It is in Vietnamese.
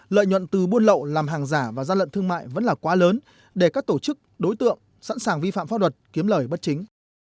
lợi nhuận từ buôn lậu làm hàng giả và gian lận thương mại vẫn là quá lớn để các tổ chức đối tượng sẵn sàng vi phạm pháp luật kiếm lời bất chính